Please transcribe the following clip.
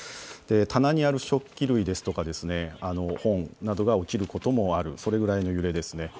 棚にあるある食器類ですとか本などが落ちることもあるそれくらいの揺れです。